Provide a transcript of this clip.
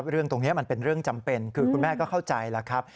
เรื่องตรงนี้มันเป็นเรื่องจำเป็นคือคุณแม่ก็เข้าใจแล้วครับ